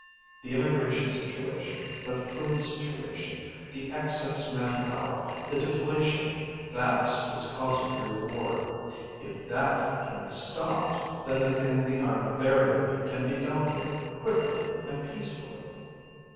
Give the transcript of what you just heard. The emigration situation, the food situation, the excess man power, the deflation: that's what's causing your war. If that can be stopped, then the thing behind the barrier can be dealt with quickly and peacefully.